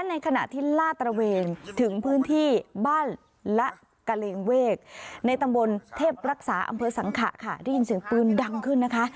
ในขณะที่ลาดตระเวนถึงพื้นที่บ้านละกะเลงเวกในตำบลเทพรักษาอำเภอสังขะค่ะได้ยินเสียงปืนดังขึ้นนะคะ